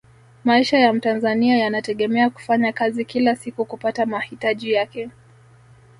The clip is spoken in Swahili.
maisha ya mtanzania yanategemea kufanya kazi kila siku kupata mahitaji yake